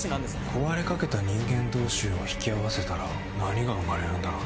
壊れかけた人間同士を引き合わせたら何が生まれるんだろうね。